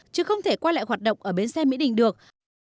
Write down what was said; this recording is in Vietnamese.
chứ không thể qua lại hoạt động ở bến xe mỹ đình được